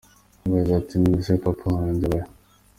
Nkababaza nti : none se papa wanjye aba hehe ?